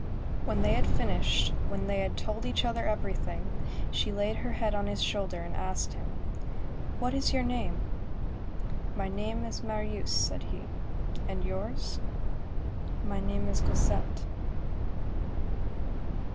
When they had finished, when they had told each other everything, she laid her head on his shoulder and asked him:— "What is your name?" "My name is Marius," said he. "And yours?" "My name is Cosette."